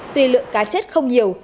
tuy lượng cá chết không nhiều